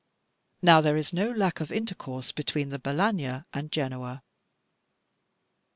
Now there is no lack of intercourse between the Balagna and Genoa.